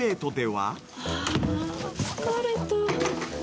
「あ疲れた」